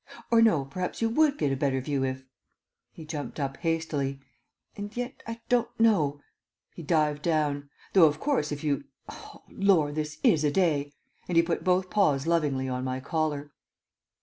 "Or no, perhaps you would get a better view if " he jumped up hastily, "and yet I don't know " he dived down, "though, of course, if you Oh lor! this is a day," and he put both paws lovingly on my collar.